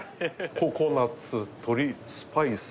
ココナッツ鶏スパイス